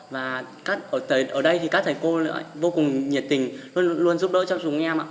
và ở đây thì các thầy cô lại vô cùng nhiệt tình luôn luôn giúp đỡ cho chúng em ạ